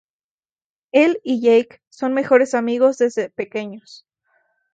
El y Jake son mejores amigos desde pequeños.